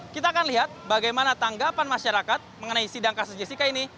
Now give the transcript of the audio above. kita akan lihat bagaimana tanggapan masyarakat mengenai sidang kasus jessica ini